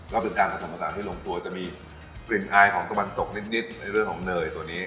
ก็เป็นการผสมผสานที่ลงตัวจะมีกลิ่นอายของตะวันตกนิดในเรื่องของเนยตัวนี้